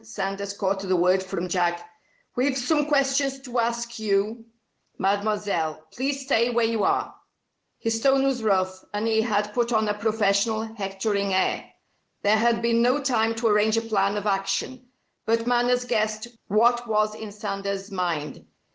Sanders caught the word from Jack. "We've some questions to ask you, Mademoiselle. Please stay where you are." His tone was rough, and he had put on a professional, hectoring air. There had been no time to arrange a plan of action, but Manners guessed what was in Sanders' mind.